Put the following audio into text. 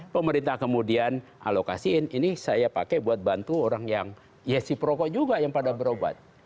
pemerintah kemudian alokasiin ini saya pakai buat bantu orang yang ya si perokok juga yang pada berobat